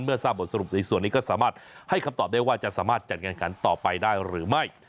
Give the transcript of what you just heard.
ทราบบทสรุปในส่วนนี้ก็สามารถให้คำตอบได้ว่าจะสามารถจัดงานขันต่อไปได้หรือไม่